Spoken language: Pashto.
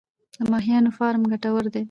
د ماهیانو فارم ګټور دی؟